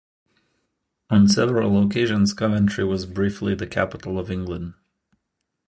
On several occasions Coventry was briefly the capital of England.